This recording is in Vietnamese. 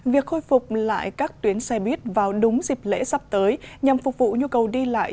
việc khôi phục lại các tuyến xe buýt vào đúng dịp lễ sắp tới nhằm phục vụ nhu cầu đi lại